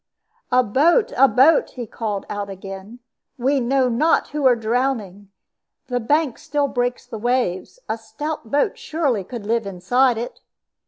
"A boat! a boat!" he called out again. "We know not who are drowning. The bank still breaks the waves; a stout boat surely could live inside it."